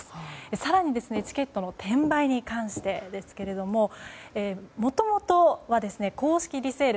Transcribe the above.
更に、チケットの転売に関してですけれどももともとは公式リセール